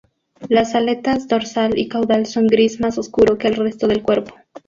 Las aletas dorsal y caudal son gris más oscuro que el resto del cuerpo.